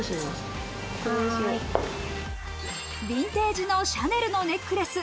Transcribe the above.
ビンテージのシャネルのネックレス。